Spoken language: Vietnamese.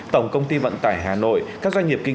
tổng công ty vận tải hà nội